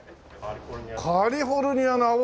『カリフォルニアの青い空』。